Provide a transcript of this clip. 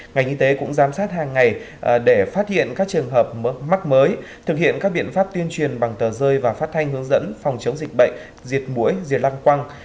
ngành y tế cũng giám sát hàng ngày để phát hiện các trường hợp mắc mới thực hiện các biện pháp tuyên truyền bằng tờ rơi và phát thanh hướng dẫn phòng chống dịch bệnh diệt mũi diệt lăng quăng